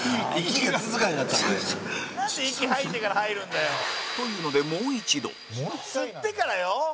山崎：なんで、息吐いてから入るんだよ。というので、もう一度山崎：吸ってからよ。